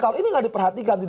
kalau ini nggak diperhatikan